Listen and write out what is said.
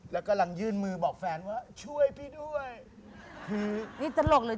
แล้วกำลังยื่นมือบอกแฟนว่าช่วยพี่ด้วย